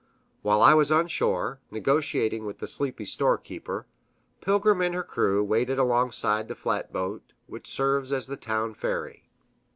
While I was on shore, negotiating with the sleepy storekeeper, Pilgrim and her crew waited alongside the flatboat which serves as the town ferry.